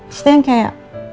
terus dia yang kayak